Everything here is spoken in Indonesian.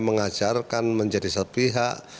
mengajarkan menjadi sepihak